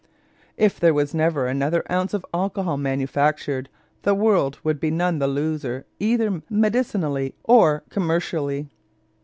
If there was never another ounce of alcohol manufactured, the world would be none the loser either medicinally or commercially.